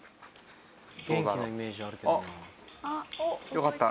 よかった。